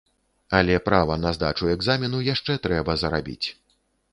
Але права на здачу экзамену яшчэ трэба зарабіць.